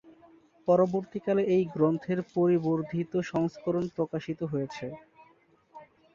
পরবর্তী কালে এই গ্রন্থের পরিবর্ধিত সংস্করণ প্রকাশিত হয়েছে।